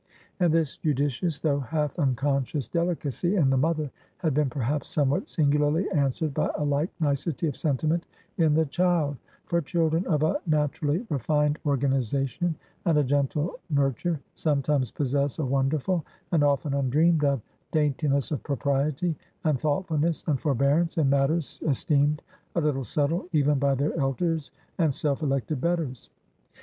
And this judicious, though half unconscious delicacy in the mother, had been perhaps somewhat singularly answered by a like nicety of sentiment in the child; for children of a naturally refined organization, and a gentle nurture, sometimes possess a wonderful, and often undreamed of, daintiness of propriety, and thoughtfulness, and forbearance, in matters esteemed a little subtile even by their elders, and self elected betters.